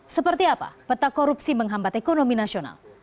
seperti apa peta korupsi menghambat ekonomi nasional